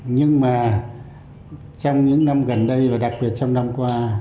nhưng mà trong những năm gần đây và đặc biệt trong năm qua